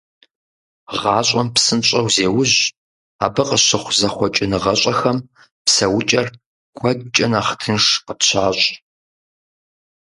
ГъащӀэм псынщӀэу зеужь, абы къыщыхъу зэхъуэкӀыныгъэщӀэхэм псэукӀэр куэдкӀэ нэхъ тынш къытщащӀ.